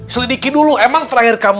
selidiki dulu emang terakhir kamu